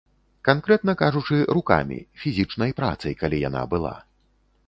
Канкрэтна кажучы, рукамі, фізічнай працай, калі яна была.